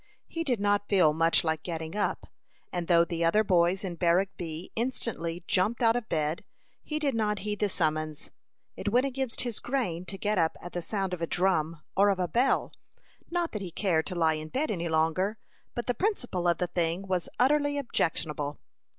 He did not feel much like getting up, and though the other boys in Barrack B instantly jumped out of bed, he did not heed the summons. It went against his grain to get up at the sound of a drum, or of a bell; not that he cared to lie in bed any longer, but the principle of the thing was utterly objectionable.